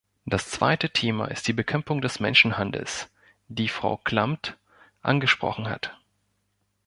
Das zweite Thema ist die Bekämpfung des Menschenhandels, die Frau Klamt angesprochen hat.